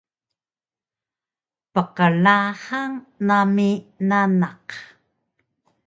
Pqlahang nami nanaq